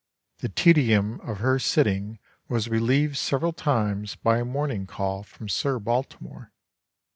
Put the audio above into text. The tedium of her sitting was relieved several times by a morning call from Sir Baltimore.